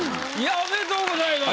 ありがとうございます。